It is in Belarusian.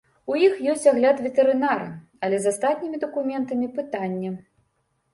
У іх ёсць агляд ветэрынара, але з астатнімі дакументамі пытанне.